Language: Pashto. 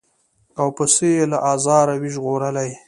او پسه یې له آزاره وي ژغورلی